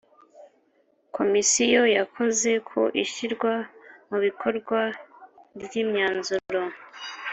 komisiyo yakoze ku ishyirwa mu bikorwa ry imyanzuro